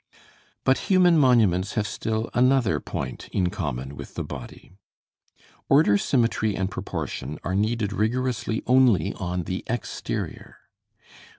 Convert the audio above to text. But human monuments have still another point in common with the body. Order, symmetry, and proportion are needed rigorously only on the exterior.